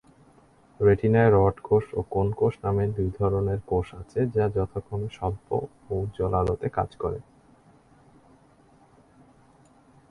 রেটিনায় rod কোষ ও cone কোষ নামে দুই ধরনের কোষ আছে যা যথাক্রমে স্বল্প ও উজ্জ্বল আলোতে কাজ করে।